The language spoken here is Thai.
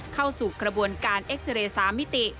เข้าสู่กระบวนการเอ็กซาเรย์๓มิติ